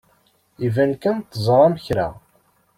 Iban kan teẓram kra.